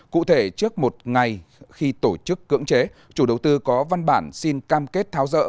cụ thể trước một ngày khi tổ chức cưỡng chế chủ đầu tư có văn bản xin cam kết tháo rỡ